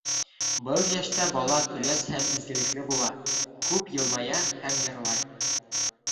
Был йәштә бала көләс һәм изгелекле була, күп йылмая һәм йырлай.